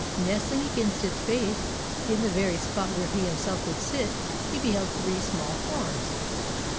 Nestling against its base, in the very spot where he himself would sit, he beheld three small forms.